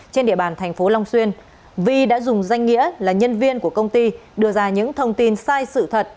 trên địa bàn thành phố long xuyên vi đã dùng danh nghĩa là nhân viên của công ty đưa ra những thông tin sai sự thật